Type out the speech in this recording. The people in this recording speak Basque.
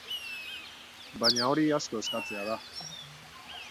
Baina hori asko eskatzea da.